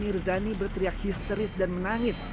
selebritas nikita mirzani berteriak histeris dan menangis